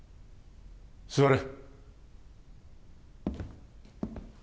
座れ